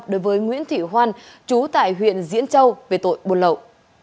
đối với nguyễn thị hoan chú tại huyện diễn châu về tội buôn lậu